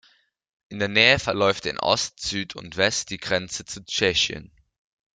In der Nähe verläuft in Ost, Süd und West die Grenze zu Tschechien.